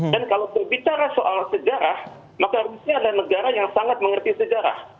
dan kalau berbicara soal sejarah maka rusia adalah negara yang sangat mengerti sejarah